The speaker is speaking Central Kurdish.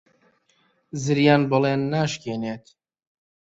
زریان بەڵێن ناشکێنێت.